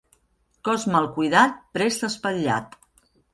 Cos mal cuidat prest espatllat.